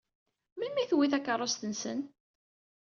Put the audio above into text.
Melmi i tewwi takeṛṛust-nsen?